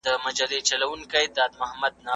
کتابونه بايد په دقت سره وټاکل سي.